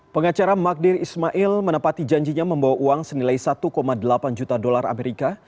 pengacara magdir ismail menepati janjinya membawa uang senilai satu delapan juta dolar amerika